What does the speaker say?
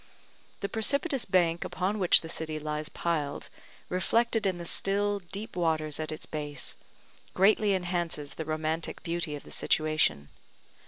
The precipitous bank upon which the city lies piled, reflected in the still deep waters at its base, greatly enhances the romantic beauty of the situation.